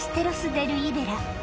・デル・イベラ